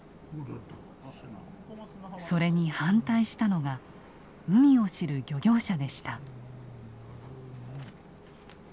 それに反対したのが海を知る漁業者でした。